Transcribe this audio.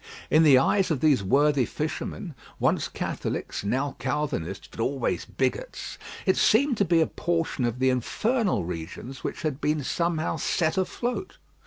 In the eyes of these worthy fishermen, once Catholics, now Calvinists, but always bigots, it seemed to be a portion of the infernal regions which had been somehow set afloat.